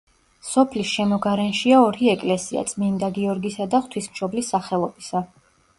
სოფლის შემოგარენშია ორი ეკლესია: წმინდა გიორგისა და ღვთისმშობლის სახელობისა.